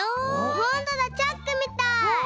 ほんとだチャックみたい！わ！